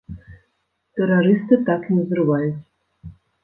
Тэрарысты так не узрываюць!